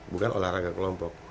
bukan olahraga kelompok